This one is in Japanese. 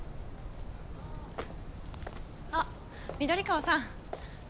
あっ緑川さん。